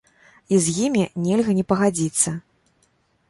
І з імі нельга не пагадзіцца!